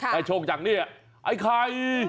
แต่โชคจังนี้เอยไข่